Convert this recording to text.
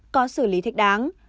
có xử lý thích đáng